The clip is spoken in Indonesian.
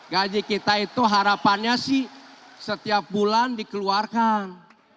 gaji kita itu harapannya sih setiap bulan dikeluarkan